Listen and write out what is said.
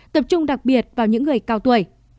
tập trung đặc biệt vào những người cao tuổi